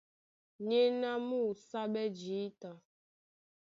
Nyéná mú óúsáɓɛ́ jǐta.